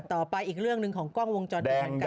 ต่อไปอีกเรื่องหนึ่งของกล้องวงจอดรเหมือนกัน